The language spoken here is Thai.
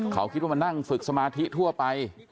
เขาคิดว่ามานั่งฝึกสมาธิทั่วไป